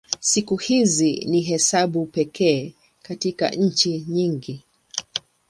Siku hizi ni hesabu pekee katika nchi nyingi.